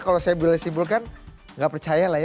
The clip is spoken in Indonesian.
kalau saya simpulkan tidak percaya